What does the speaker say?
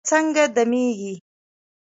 چای څنګه دمیږي؟